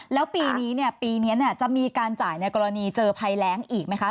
แล้วปีนี้ปีนี้จะมีการจ่ายในกรณีเจอภัยแรงอีกไหมคะ